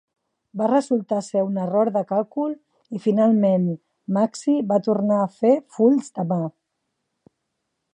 Va resultar ser un error de càlcul i finalment Maxi va tornar a fer fulls de mà.